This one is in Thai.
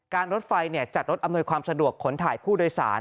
รถไฟจัดรถอำนวยความสะดวกขนถ่ายผู้โดยสาร